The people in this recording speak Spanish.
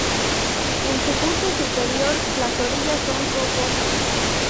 En su curso superior, las orillas son rocosas.